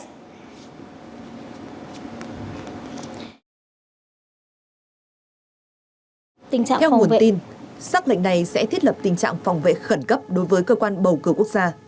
theo nguồn tin sắc lệnh này sẽ thiết lập tình trạng phòng vệ khẩn cấp đối với cơ quan bầu cử quốc gia